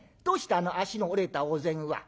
あの脚の折れたお膳は。